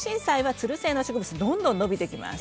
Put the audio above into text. つる性の植物でどんどん伸びていきます。